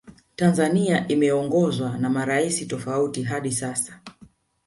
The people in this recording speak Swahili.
Tanzania imeongozwa na maraisi tofauti hadi sasa